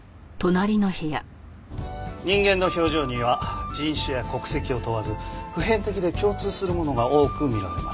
人間の表情には人種や国籍を問わず普遍的で共通するものが多く見られます。